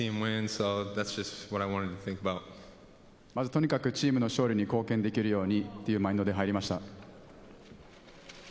とにかくチームの勝利に貢献できるようにというマインドで入りました。